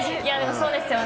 そうですよね